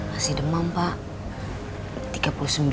masih demam pak